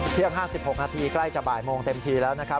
เที่ยง๕๖นาทีใกล้จะบ่ายโมงเต็มทีแล้วนะครับ